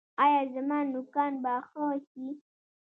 ایا زما نوکان به ښه شي؟